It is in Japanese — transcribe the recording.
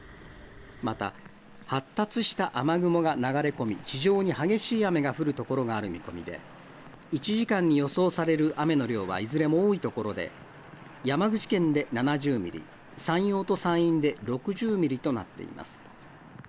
また、発達した雨雲が流れ込み、非常に激しい雨が降るところがある見込みで、１時間に予想される雨の量は、いずれも多い所で山口県で７０ミリ、山陽と山陰で６０ミリとなっています。